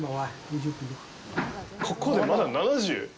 ここでまだ７０？